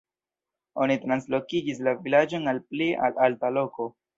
Oni translokigis la vilaĝon al pli al alta loko.